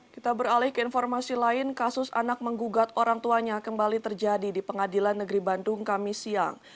kita beralih ke informasi lain kasus anak menggugat orang tuanya kembali terjadi di pengadilan negeri bandung kamis siang